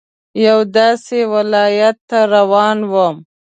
یوه داسې ولايت ته روان وم.